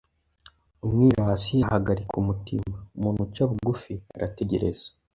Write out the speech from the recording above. Umwirasi ahagarika umutima ; umuntu uca bugufi arategereza.